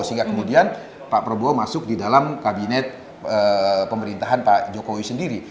sehingga kemudian pak prabowo masuk di dalam kabinet pemerintahan pak jokowi sendiri